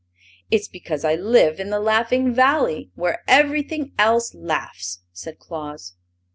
"It's because I live in the Laughing Valley, where everything else laughs!" said Claus.